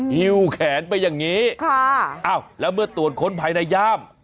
หิวแขนไปอย่างนี้ค่ะอ้าวแล้วเมื่อตรวจค้นภายในย่าม